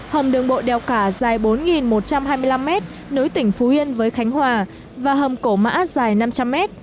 hầm đường bộ đeo cả dài bốn một trăm hai mươi năm mét nối tỉnh phú yên với khánh hòa và hầm cổ mã dài năm trăm linh mét